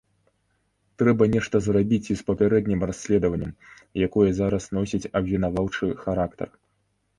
Трэба нешта зрабіць і з папярэднім расследаваннем, якое зараз носіць абвінаваўчы характар.